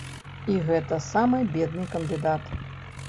І гэта самы бедны кандыдат.